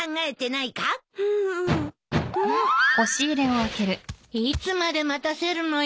いつまで待たせるのよ。